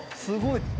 すごい。